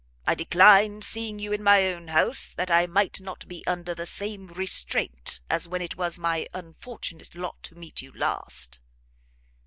I declined seeing you in my own house, that I might not be under the same restraint as when it was my unfortunate lot to meet you last."